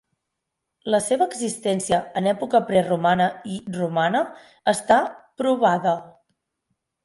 La seva existència en època preromana i romana està provada.